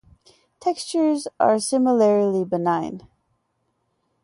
Textures are similarly benign.